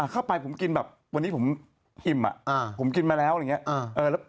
เข้าไปผมกินแบบวันนี้ผมอิ่มผมกินมาแล้วอะไรอย่างนี้